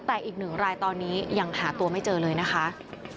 แต่อีกหนึ่งรายตอนนี้ยังหาตัวไม่เจอเลยนะคะ